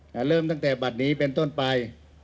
แต่เริ่มตั้งแต่บัตรนี้เป็นต้นไป